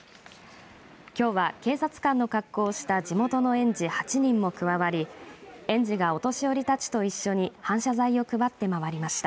きょうは警察官の格好をした地元の園児８人も加わり園児が、お年寄りたちと一緒に反射材を配って回りました。